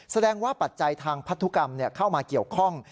แสดงว่าปัจจัยทางพันธุกรรมเข้ามาเกี่ยวข้อง